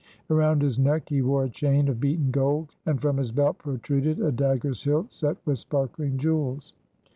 Around his neck he wore a chain of beaten gold and from his belt protruded a dagger's hilt set with sparkling jewels.